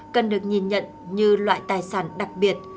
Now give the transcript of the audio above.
cần được nhìn nhận như loại tài sản đặc biệt